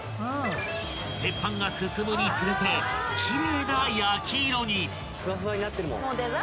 ［鉄板が進むにつれて奇麗な焼き色に］